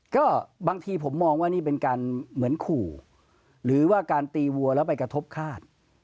ก็บางทีผมมองว่านี่เป็นการเหมือนขู่หรือว่าการตีวัวแล้วไปกระทบฆาต